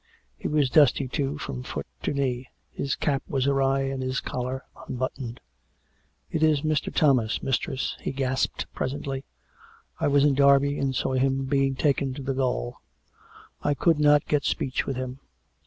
He was dusty, too, from foot to knee ; his cap was awry and his collar unbuttoned. " It is Mr. Thomas, mistress," he gasped presently. " I was in Derby and saw him being taken to the gaol. ... I could not get speech with him.